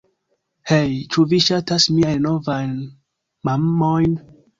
Hej, ĉu vi ŝatas miajn novajn mamojn?